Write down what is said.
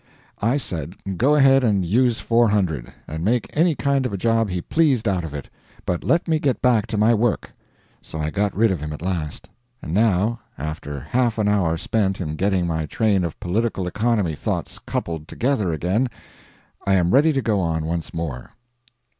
I said, go ahead and use four hundred, and make any kind of a job he pleased out of it, but let me get back to my work. So I got rid of him at last; and now, after half an hour spent in getting my train of political economy thoughts coupled together again, I am ready to go on once more.